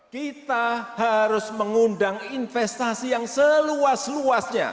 kita harus mengundang investasi yang seluas luasnya